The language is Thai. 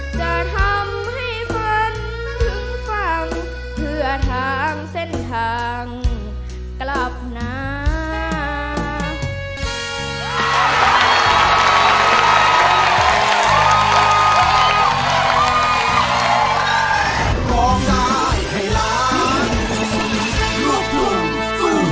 จะทำให้ฝันนั้นฟังเพื่อทางเส้นทางกลับหนา